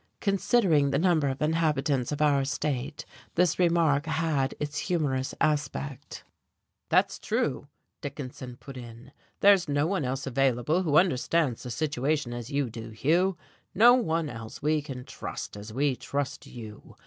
Considering the number of inhabitants of our state, this remark had its humorous aspect. "That's true," Dickinson put in, "there's no one else available who understands the situation as you do, Hugh, no one else we can trust as we trust you.